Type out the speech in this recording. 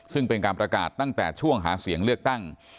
ซึ่งเป็นการประกาศตั้งแต่ช่วงหาเสียงเลือกตั้ง